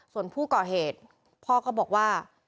ส่วนผู้ก่อเหตุพ่อก็บอกว่า